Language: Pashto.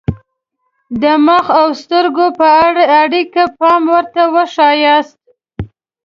د مخ او سترګو په اړیکه پام ورته وښایاست.